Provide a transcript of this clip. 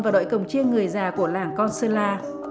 và đội cổng chiêng người già của làng con sơn la